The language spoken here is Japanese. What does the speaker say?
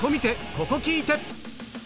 ここ聴いて！